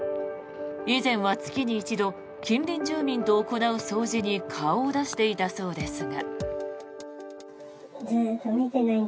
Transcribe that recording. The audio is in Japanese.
以前は月に一度、近隣住民と行う掃除に顔を出していたそうですが。